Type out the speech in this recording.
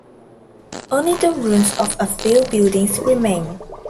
Only the ruins of a few buildings remain.